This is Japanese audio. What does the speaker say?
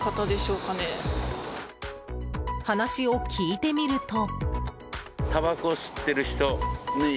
話を聞いてみると。